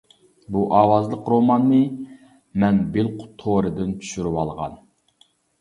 بۇ ئاۋازلىق روماننى مەن بىلقۇت تورىدىن چۈشۈرۈۋالغان.